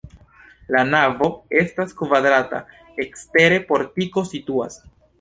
La navo estas kvadrata, ekstere portiko situas.